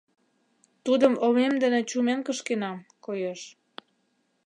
Тудым омем дене чумен кышкенам, коеш.